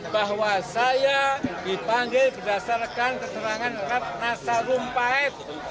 bahwa saya dipanggil berdasarkan keterangan ratna sarumpait